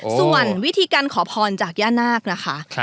ส่วนวิธีการขอพรจากย่านาคนะคะ